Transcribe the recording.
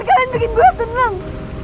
kalian pikir pikir gue seneng